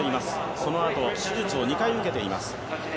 そのあと手術を２回受けています。